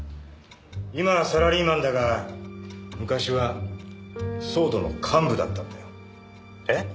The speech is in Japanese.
今はサラリーマンだが昔はＳＷＯＲＤの幹部だったんだよ。え？